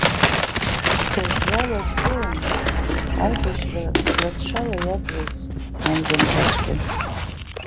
Гәҭыӷьӷьала дҵәуон аибашьра граҭшала иаблыз ан жәымҭацәгьа.